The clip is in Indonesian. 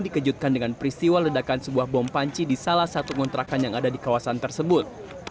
dikejutkan dengan peristiwa ledakan sebuah bom panci di salah satu kontrakan yang ada di kawasan tersebut